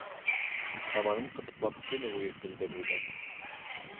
— Табанын ҡытыҡлап, көнө буйы көлдөрөргә...